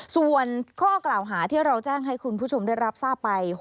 ส่วนข้อกล่าวหาที่เราแจ้งให้คุณผู้ชมได้รับทราบไป